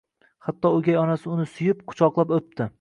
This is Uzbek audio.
Hatto o'gay onasi uni suyib, quchoqlab o'pdi.